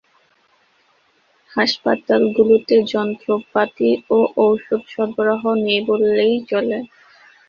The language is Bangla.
হাসপাতাল গুলোতে যন্ত্রপাতি ও ঔষধ সরবরাহ নেই বললেই চলে।